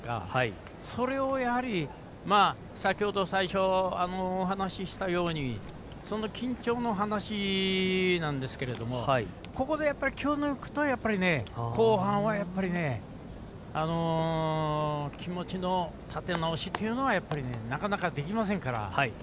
それを先ほど最初お話したようにその緊張の話なんですけれどもここで、気を抜くと後半は気持ちの立て直しというのがなかなか、できませんから。